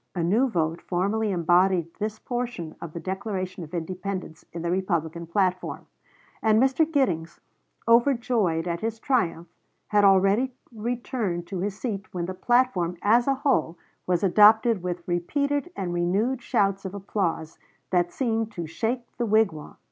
A new vote formally embodied this portion of the Declaration of Independence in the Republican platform; and Mr. Giddings, overjoyed at his triumph, had already returned to his seat when the platform as a whole was adopted with repeated and renewed shouts of applause that seemed to shake the wigwam.